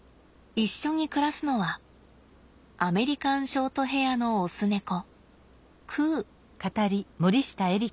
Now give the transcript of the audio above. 一緒に暮らすのはアメリカンショートヘアのオス猫くう。